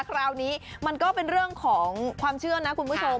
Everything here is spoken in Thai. คราวนี้มันก็เป็นเรื่องของความเชื่อนะคุณผู้ชม